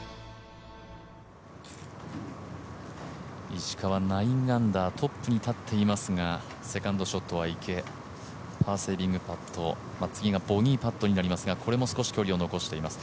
石川、９アンダー、トップに立っていますが、セカンドショットは池パーセービングパット、次がボギーパットになっていますがまだ少し距離が残っています。